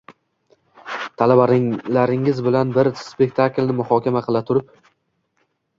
— Talabalaringiz bilan bir spektaklni muhokama qila turib